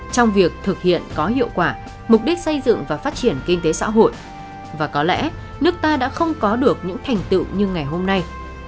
trong việc thực hiện có hiệu quả mục đích xây dựng và phát triển kinh tế xã hội và có lẽ nước ta đã không có được những thành tựu như ngày hôm nay